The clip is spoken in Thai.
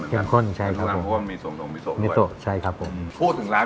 เหมือนกันคล้ายคล้ายเป็นเข้มข้นเหมือนกันเข้มข้นใช่ครับพูดถึงร้าน